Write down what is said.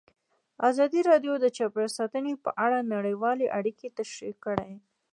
ازادي راډیو د چاپیریال ساتنه په اړه نړیوالې اړیکې تشریح کړي.